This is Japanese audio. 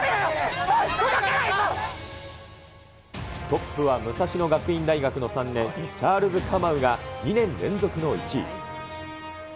トップは武蔵野学院大学の３年、チャールズカマウが２年連続の１位。